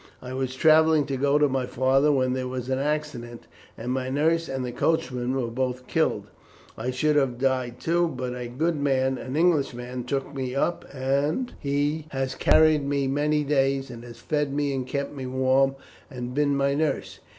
I was travelling to go to my father, when there was an accident, and my nurse and the coachman were both killed; and I should have died too, but a good man an Englishman took me up, and he has carried me many days, and has fed me and kept me warm and been my nurse.